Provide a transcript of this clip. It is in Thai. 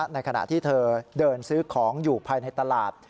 ในขณะที่เธอเดินซื้อของอยู่ภายในตลาด